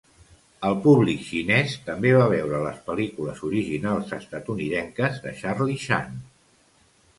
El públic xinès també va veure les pel·lícules originals estatunidenques de Charlie Chan.